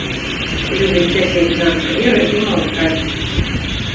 Любіць сядзець на скверы і маўчаць.